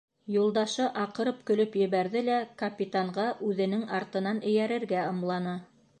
Юлдашы аҡырып көлөп ебәрҙе лә капитанға үҙенең артынан эйәрергә ымланы.